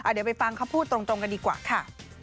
เดี๋ยวไปฟังเขาพูดตรงกันดีกว่าค่ะ